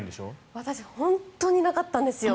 私、本当になかったんですよ。